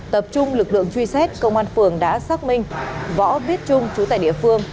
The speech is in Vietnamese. tập trung lực lượng truy xét công an phường đã xác minh võ viết trung chú tại địa phương